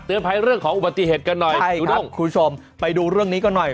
ภัยเรื่องของอุบัติเหตุกันหน่อยคุณด้งคุณผู้ชมไปดูเรื่องนี้กันหน่อย